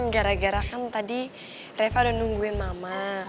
gara garakan tadi reva udah nungguin mama